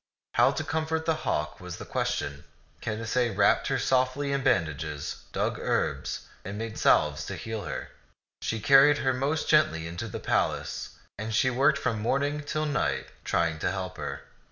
How to comfort the hawk was the question. Canacee wrapped her softly in bandages, dug herbs, and made salves to heal her. She carried her most gently to the palace, and she worked from morning till night, trying to help her.